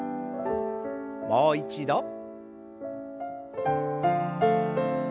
もう一度。